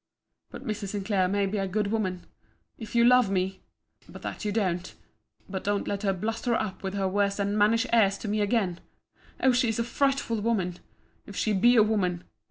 But Mrs. Sinclair may be a good woman—if you love me—but that you don't—but don't let her bluster up with her worse than mannish airs to me again! O she is a frightful woman! If she be a woman!